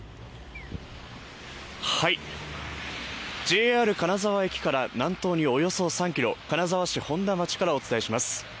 ＪＲ金沢駅から南東におよそ３ｋｍ金沢市本多町からお伝えします